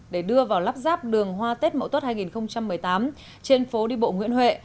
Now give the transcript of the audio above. để đưa vào lắp giáp đường hoa tết mẫu tốt hai nghìn một mươi tám trên phố đi bộ nguyễn huệ